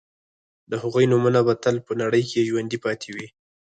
د هغوی نومونه به تل په نړۍ کې ژوندي پاتې وي